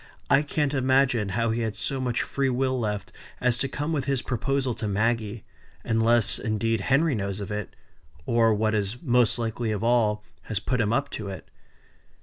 I can't imagine how he had so much free will left as to come with his proposal to Maggie; unless, indeed, Henry knows of it or, what is most likely of all, has put him up to it.